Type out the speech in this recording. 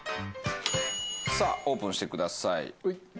さあオープンしてください。